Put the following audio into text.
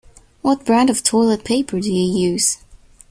What brand of toilet paper do you use?